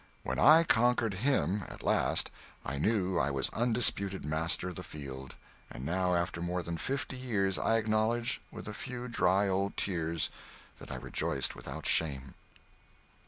When I conquered him, at last, I knew I was undisputed master of the field; and now, after more than fifty years, I acknowledge, with a few dry old tears, that I rejoiced without shame.